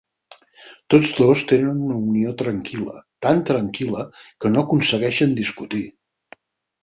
Tots dos tenen una unió tranquil·la, tan tranquil·la que no aconsegueixen discutir.